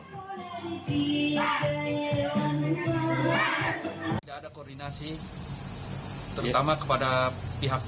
tidak ada koordinasi terutama kepada pihak pihak